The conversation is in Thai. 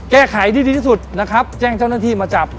แก้ไขที่ดีที่สุดนะครับแจ้งเจ้าหน้าที่มาจับ